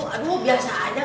aduh biasa aja